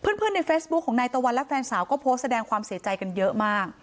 เพื่อนในเฟซบุ๊คของนายตะวันและแฟนสาวก็โพสต์แสดงความเสียใจกันเยอะมาก